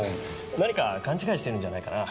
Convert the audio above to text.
何か勘違いしてるんじゃないかな。